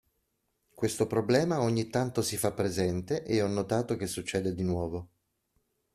Questo problema ogni tanto si fa presente e ho notato che succede di nuovo.